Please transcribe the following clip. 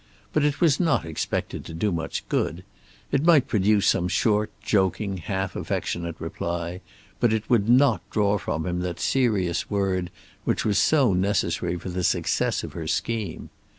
But it was not expected to do much good. It might produce some short, joking, half affectionate reply, but would not draw from him that serious word which was so necessary for the success of her scheme.